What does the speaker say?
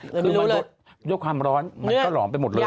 คือมันลดด้วยความร้อนมันก็หลอมไปหมดเลย